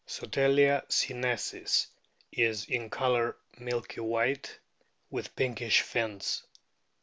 Sotalia sinensis is in colour milky white, with pinkish fins.